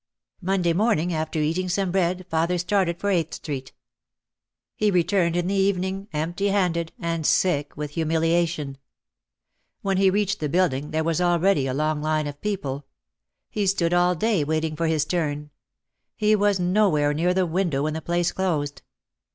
Monday morning after eating some bread father started for "Eighth Street." He returned in the evening empty handed and sick with humiliation. When he reached the building there was already a long line of OUT OF THE SHADOW 169 people. He stood all day waiting for his turn. He was nowhere near the "window" when the place closed.